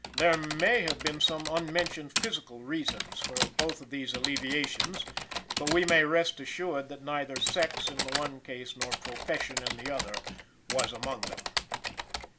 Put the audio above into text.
There may have been some unmentioned physical reasons for both of these alleviations, but we may rest assured that neither sex, in the one case, nor profession in the other, was among them.